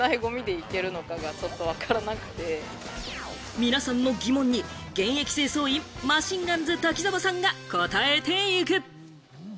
皆さんの疑問に現役清掃員、マシンガンズ・滝沢さんが答えていく！